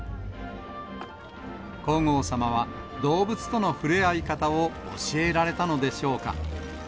皇后さまは、動物との触れ合い方を教えられたのでしょうか。